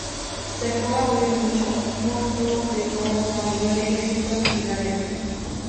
Se puede oír mucho four-to-the-floor y batería estilo Philadelphia.